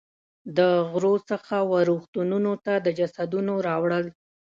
د غرو څخه وه رغتونونو ته د جسدونو راوړل.